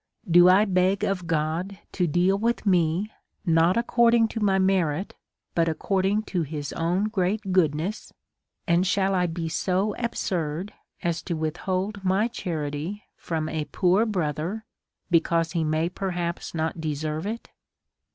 Do I beg of God to deal with me not according to my merit, but according to his own great goodness ; and shall I be so absurd as to withhold my charity from a poor brother because he may perhaps not deserve it?